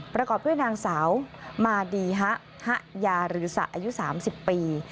ประกอบด้วยนางสาวมาดีฮะฮะยาหรือสะอายุ๓๐ปี